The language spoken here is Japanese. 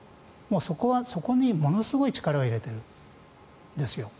そこにものすごい力を入れているんですよ。